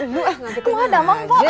lu eh ngantuknya mana aja